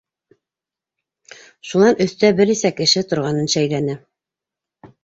Шунан өҫтә бер нисә кеше торғанын шәйләне.